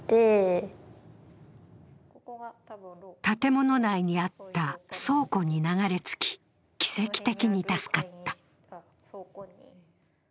建物内にあった倉庫に流れ着き、奇跡的に助かった。